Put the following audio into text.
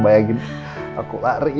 bayangin aku lari